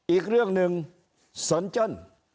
อีกเรื่องหนึ่งสนเจิ้น